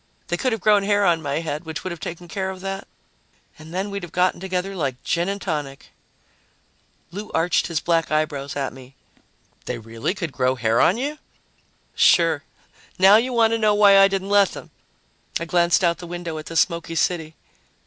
They could have grown hair on my head, which would have taken care of that, and then we'd have gotten together like gin and tonic." Lou arched his black eyebrows at me. "They really could grow hair on you?" "Sure. Now you want to know why I didn't let them." I glanced out the window at the smoky city.